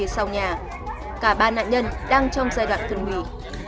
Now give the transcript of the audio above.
cả ba nạn nhân đang trong giai đoạn thường hủy